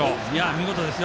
見事ですよ